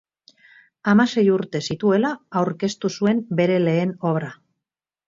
Hamasei urte zituela aurkeztu zuen bere lehen obra.